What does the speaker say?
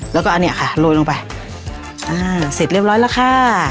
แล้วก็อันเนี้ยค่ะโรยลงไปอ่าเสร็จเรียบร้อยแล้วค่ะ